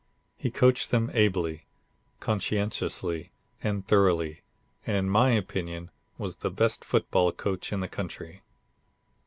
He coached them ably, conscientiously and thoroughly, and in my opinion was the best football coach in the country."